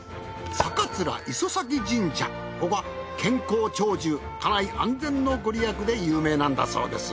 ここは健康長寿家内安全のご利益で有名なんだそうです。